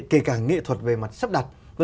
kể cả nghệ thuật về mặt sắp đặt